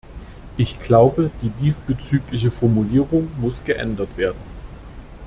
Ich glaube, die diesbezügliche Formulierung muss geändert werden.